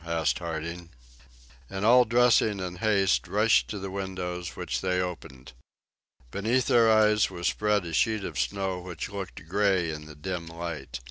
asked Harding. And all dressing in haste rushed to the windows, which they opened. Beneath their eyes was spread a sheet of snow which looked gray in the dim light.